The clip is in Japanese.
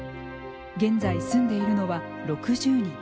現在、住んでいるのは６０人。